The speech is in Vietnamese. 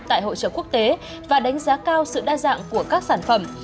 tại hội trợ quốc tế và đánh giá cao sự đa dạng của các sản phẩm